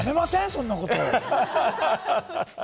そんなこと。